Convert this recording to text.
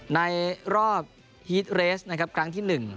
ในรอบฮีตเรสครั้งที่๑